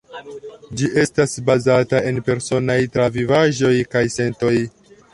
Ĝi estas bazata en personaj travivaĵoj kaj sentoj.